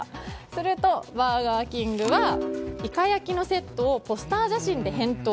すると、バーガーキングはいか焼きのセットをポスター写真で返答。